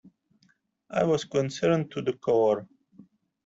I was concerned to the core.